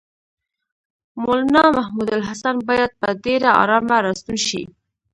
مولنا محمودالحسن باید په ډېره آرامه راستون شي.